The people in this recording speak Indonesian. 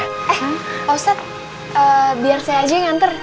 eh ustadz biar saya aja yang nganter